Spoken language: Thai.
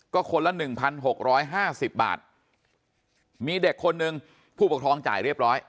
ก็คนละหนึ่งพันหกร้อยห้าสิบบาทมีเด็กคนนึงผู้ปกครองจ่ายเรียบร้อย